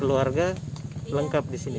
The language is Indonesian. keluarga lengkap di sini